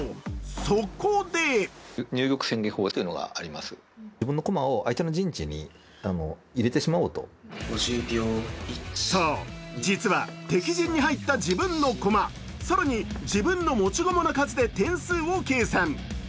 そこでそう、実は敵陣に入った自分の駒更に自分の持ち駒の数で点数を計算。